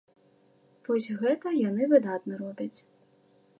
Вось гэта яны выдатна робяць.